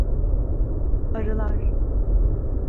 Arılar.